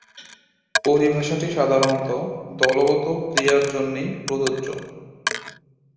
পরিভাষাটি সাধারণতঃ দলগত ক্রীড়ার জন্যেই প্রযোজ্য।